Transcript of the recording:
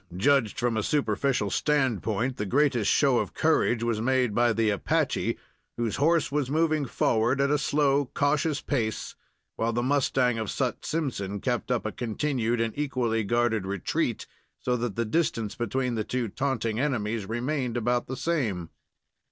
Judged from a superficial standpoint, the greatest show of courage was made by the Apache, whose horse was moving forward at a slow, cautious pace, while the mustang of Sut Simpson kept up a continued and equally guarded retreat, so that the distance between the two taunting enemies remained about the same.